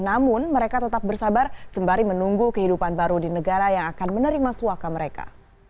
namun mereka tetap bersabar sembari menunggu kehidupan baru di negara yang akan menerima suaka mereka